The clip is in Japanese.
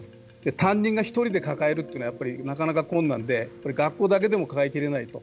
担任が１人で抱えるというのはやっぱりなかなか困難で学校だけでも抱えきれないと。